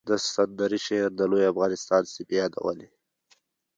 د سندرې شعر د لوی افغانستان سیمې یادولې